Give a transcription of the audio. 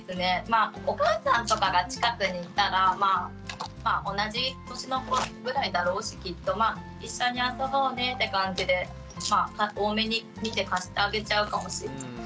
まあお母さんとかが近くにいたらまあ同じ年の子ぐらいだろうしきっとまあって感じで大目に見て貸してあげちゃうかもしれないです。